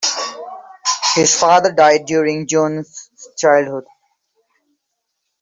His father died during Jones's childhood.